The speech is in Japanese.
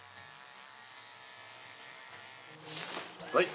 はい。